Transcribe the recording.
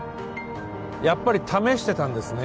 やっぱり試してたんですね